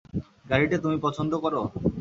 গাড়িটা তুমি পছন্দ করো?